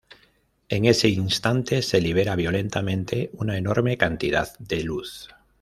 En ese instante se libera violentamente una enorme cantidad de luz.